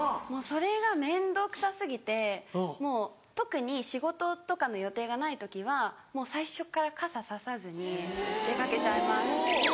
それが面倒くさ過ぎてもう特に仕事とかの予定がない時はもう最初っから傘差さずに出かけちゃいます。